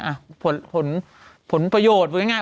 อะผลประโยชน์เพียงไง